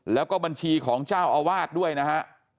แล้วก็บัญชีของเจ้าอาวาสด้วยนะฮะ